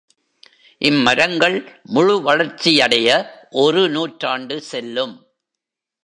இம் மரங்கள் முழு வளர்ச்சியடைய ஒரு நூற்றாண்டு செல்லும்.